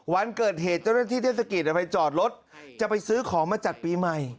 วันเกิดเหตุเจ้าหน้าที่เทศกิจไปจอดรถจะไปซื้อของมาจัดปีใหม่